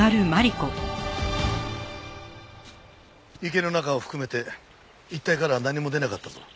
池の中を含めて一帯からは何も出なかったぞ。